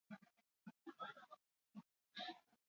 Ez dago iruzurra baztertzerik ere.